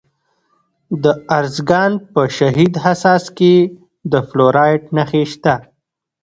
د ارزګان په شهید حساس کې د فلورایټ نښې شته.